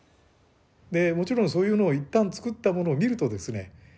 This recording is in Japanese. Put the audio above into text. でもちろんそういうのを一旦作ったものを見るとですね